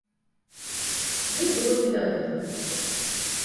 Ёй было не да гэтага.